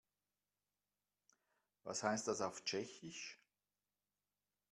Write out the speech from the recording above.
Was heißt das auf Tschechisch?